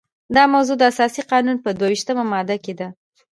دا موضوع د اساسي قانون په دوه ویشتمه ماده کې ده.